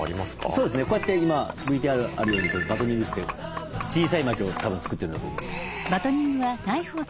そうですねこうやって今ＶＴＲにあるようにバトニングといって小さい薪をたぶん作ってるんだと思います。